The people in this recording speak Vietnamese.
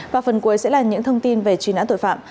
và phần cuối sẽ là những thông tin về truy nã tội phạm